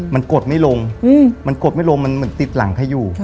มันกดไม่ลงมันกดไม่ลงมันเหมือนติดหลังเขาอยู่